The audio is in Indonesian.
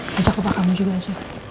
ya ajak papa kamu juga su